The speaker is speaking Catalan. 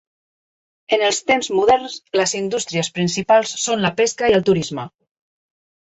En els temps moderns, les indústries principals són la pesca i el turisme.